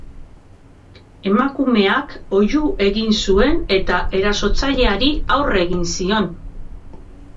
Emakumeak oihu egin zuen eta erasotzaileari aurre egin zion.